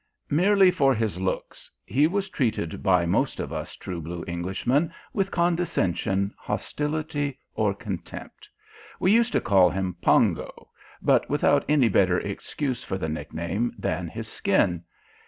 Merely for his looks he was treated by most of us true blue Englishmen with condescension, hostility, or contempt. We used to call him "Pongo," but without any better excuse for the nickname than his skin.